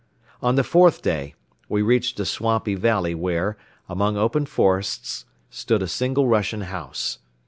On the fourth day we reached a swampy valley where, among open forests, stood a single Russian house.